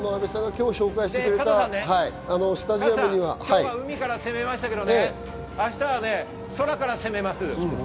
ただ海から攻めましたけれども明日は空から攻めます。